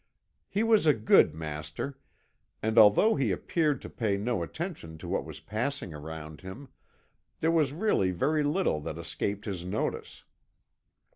He was a good master, and although he appeared to pay no attention to what was passing around him, there was really very little that escaped his notice.